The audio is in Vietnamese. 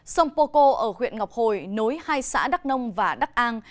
sông poco ở huyện ngọc hồi nối hai xã đắc nông và đắc an